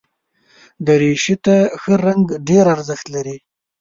دریشي ته ښه رنګ ډېر ارزښت لري.